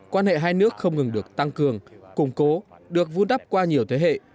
quan hệ hai nước không ngừng được tăng cường củng cố được vun đắp qua nhiều thế hệ